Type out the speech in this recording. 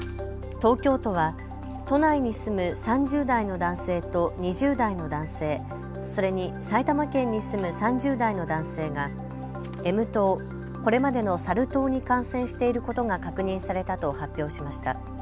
東京都は都内に住む３０代の男性と２０代の男性、それに埼玉県に住む３０代の男性がＭ痘、これまでのサル痘に感染していることが確認されたと発表しました。